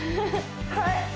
はい！